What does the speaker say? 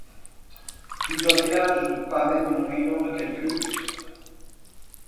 Plus un village, pas même une réunion de quelques huttes.